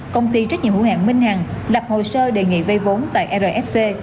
công ty trách nhiệm hữu hạng minh hằng lập hồ sơ đề nghị vây vốn tại rfc